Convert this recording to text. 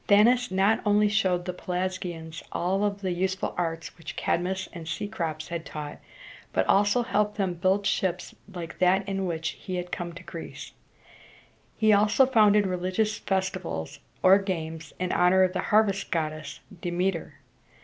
Danaus not only showed the Pelasgians all the useful arts which Cadmus and Cecrops had taught, but also helped them to build ships like that in which he had come to Greece. He also founded religious festivals or games in honor of the harvest goddess, De me´ter.